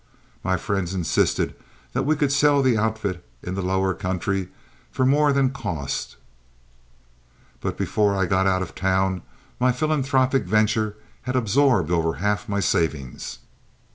My friends insisted that we could sell the outfit in the lower country for more than cost, but before I got out of town my philanthropic venture had absorbed over half my savings.